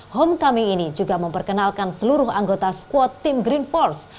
homecoming ini juga memperkenalkan seluruh anggota squad team green force